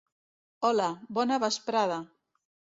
Hola, bona vesprada!